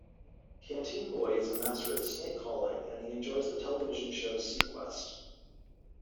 Canteen Boy is a master at snake-calling, and he enjoys the television show "Seaquest".